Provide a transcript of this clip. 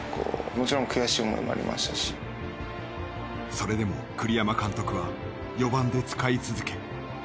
それでも栗山監督は４番で使い続け。